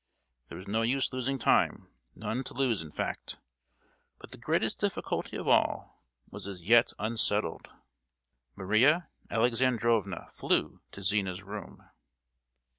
There was no use losing time,—none to lose, in fact. But the greatest difficulty of all was as yet unsettled. Maria Alexandrovna flew to Zina's room.